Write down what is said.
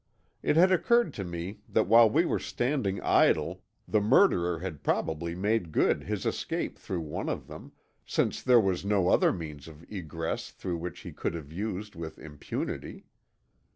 It had occurred to me that while we were standing idle the murderer had probably made good his escape through one of them, since there was no other means of egress which he could have used with impunity.